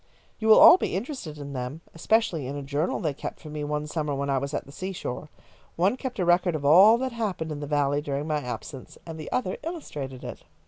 You will all be interested in them, especially in a journal they kept for me one summer when I was at the seashore. One kept a record of all that happened in the Valley during my absence, and the other illustrated it."